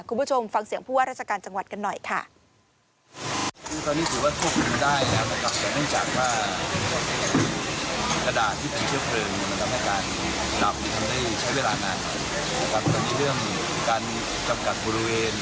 คุณผู้ชมฟังเสียงผู้ว่าราชการจังหวัดกันหน่อยค่ะคือตอนนี้ถือว่าควบคุมได้แล้ว